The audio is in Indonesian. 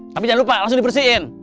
tapi jangan lupa langsung dibersihin